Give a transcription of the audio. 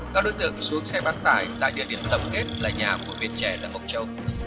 các đối tượng xuống xe bán tải tại địa điểm tầm kết là nhà của viện trè tại mộc châu